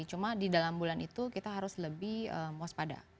cuma di dalam bulan itu kita harus lebih waspada